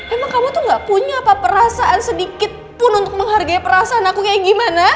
emang kamu tuh gak punya apa perasaan sedikit pun untuk menghargai perasaan aku kayak gimana